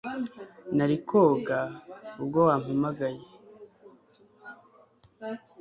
Nari koga ubwo wampamagaye.